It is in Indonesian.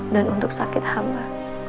dan untuk sakit amba